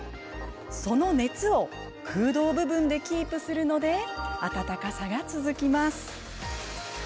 その熱を空洞部分でキープするので暖かさが続きます。